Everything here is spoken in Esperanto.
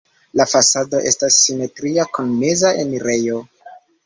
La fasado estas simetria kun meza enirejo.